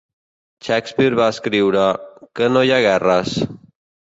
Shakespeare va escriure: "Que no hi ha guerres?"